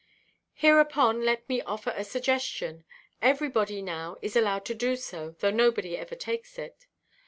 Hereupon, let me offer a suggestion—everybody now is allowed to do so, though nobody ever takes it.